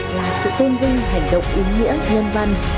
là sự tôn vinh hành động ý nghĩa nhân văn